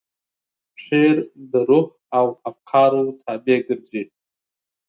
شعر د روح او افکارو تابع ګرځي.